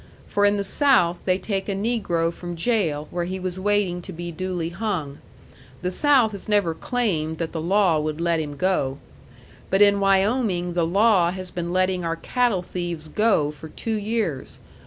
For in the South they take a negro from jail where he was waiting to be duly hung. The South has never claimed that the law would let him go. But in Wyoming the law has been letting our cattle thieves go for two years.